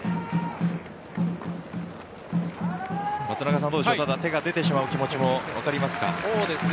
松中さん手が出てしまう気持ちも分かりますか？